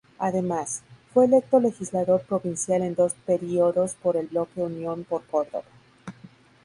Además, fue electo Legislador provincial en dos períodos por el bloque Unión por Córdoba.